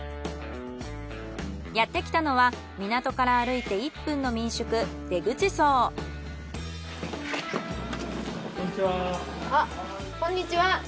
やってきたのは港から歩いて１分のあっこんにちは。